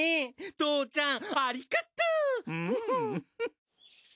父ちゃんありがとう！